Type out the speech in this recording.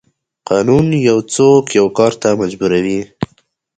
قانون یو څوک یو کار ته مجبوروي.